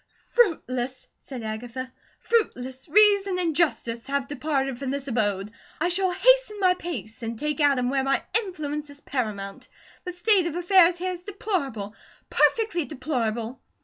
"Fruitless!" said Agatha. "Fruitless! Reason and justice have departed from this abode. I shall hasten my pace, and take Adam where my influence is paramount. The state of affairs here is deplorable, perfectly deplorable!